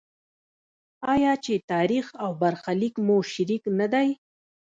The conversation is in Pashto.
آیا چې تاریخ او برخلیک مو شریک نه دی؟